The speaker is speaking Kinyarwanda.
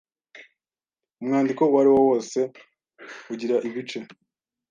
umwandiko uwo ari wo wose ugira ibice